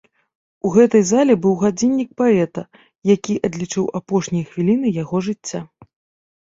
У гэтай зале быў гадзіннік паэта, які адлічыў апошнія хвіліны яго жыцця.